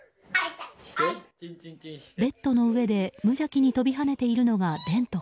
ベッドの上で無邪気に飛び跳ねているのが蓮翔